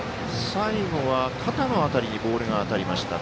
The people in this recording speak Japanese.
最後は肩の辺りにボールが当たりました。